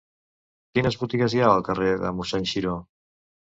Quines botigues hi ha al carrer de Mossèn Xiró?